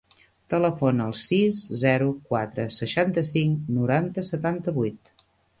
Telefona al sis, zero, quatre, seixanta-cinc, noranta, setanta-vuit.